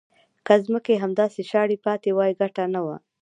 که ځمکې همداسې شاړې پاتې وای ګټه نه وه.